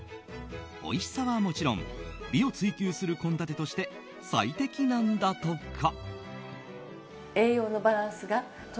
おいしさはもちろん美を追求する献立として最適なんだとか。